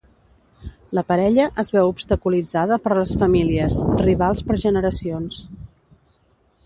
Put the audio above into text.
La parella es veu obstaculitzada per les famílies, rivals per generacions.